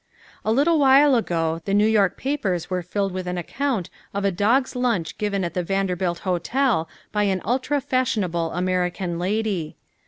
A little while ago, the New York papers were filled with an account of a dog's lunch given at the Vanderbilt Hotel by an ultra fashionable American lady.